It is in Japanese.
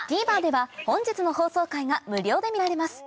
ＴＶｅｒでは本日の放送回が無料で見られます